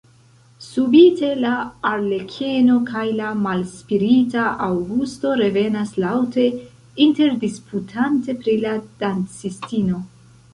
Subite la arlekeno kaj la malsprita Aŭgusto revenas laŭte interdisputante pri la dancistino.